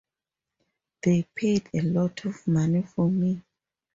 They paid a lot of money for me.